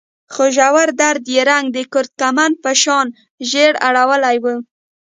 خو ژور درد يې رنګ د کورکمند په شان ژېړ اړولی و.